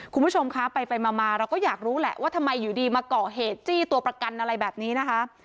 คุณผู้ชมคะไปมาเราก็อยากรู้แหละว่าทำไมอยู่ดีมาก่อเหตุจี้ตัวประกันอะไรแบบนี้นะคะ